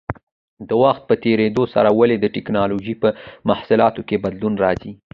د وخت په تېرېدو سره ولې د ټېکنالوجۍ په محصولاتو کې بدلون راځي؟